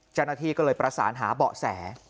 จนาทีก็เลยประสานหาเบาะแส